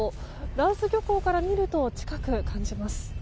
羅臼漁港から見ると近く感じます。